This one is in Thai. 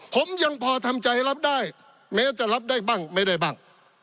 ผมยังพอทำใจรับได้แม้จะรับได้บ้างไม่ได้บ้าง